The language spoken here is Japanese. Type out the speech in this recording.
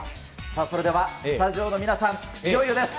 さあ、それではスタジオの皆さん、いよいよです。